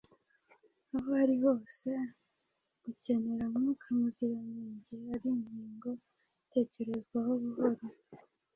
Aho ari ho hose gukenera Mwuka Muziranenge ari ingingo itekerezwaho buhoro,